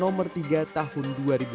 nomor tiga tahun dua ribu dua puluh